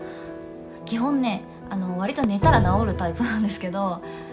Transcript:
基本ね、わりと寝たら治るタイプなんですけど。